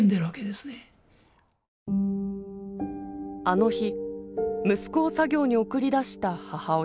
あの日息子を作業に送り出した母親。